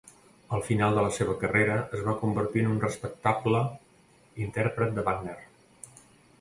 Al final de la seva carrera es va convertir en un respectable intèrpret de Wagner.